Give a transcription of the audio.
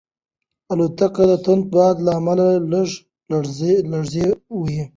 الوتکه د توند باد له امله لږه لړزېدلې وه.